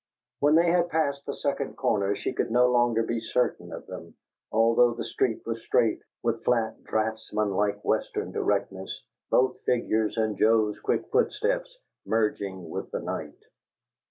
When they had passed the second corner she could no longer be certain of them, although the street was straight, with flat, draughtsmanlike Western directness: both figures and Joe's quick footsteps merging with the night.